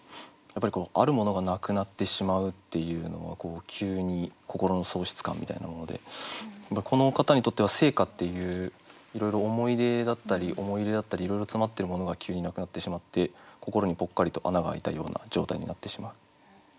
やっぱりこうあるものがなくなってしまうっていうのは急に心の喪失感みたいなものでこの方にとっては生家っていういろいろ思い出だったり思い入れだったりいろいろ詰まってるものが急になくなってしまって心にぽっかりと穴が開いたような状態になってしまう。